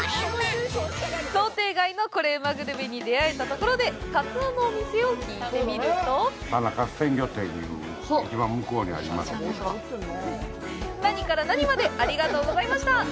想定外のコレうまグルメに出会えたところでカツオのお店を聞いてみると何から何までありがとうございました！